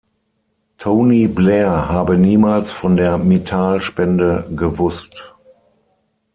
Tony Blair habe niemals von der Mittal-Spende gewusst.